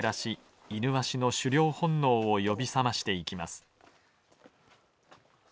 イヌワシの狩猟本能を呼び覚ましていきます。